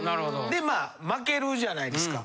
でまあ負けるじゃないですか。